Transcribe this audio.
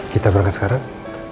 kita berangkat sekarang